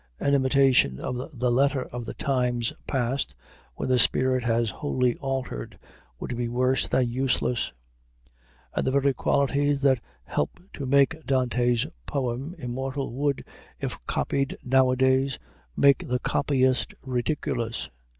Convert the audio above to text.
An imitation of the letter of the times past, when the spirit has wholly altered, would be worse than useless; and the very qualities that help to make Dante's poem immortal would, if copied nowadays, make the copyist ridiculous.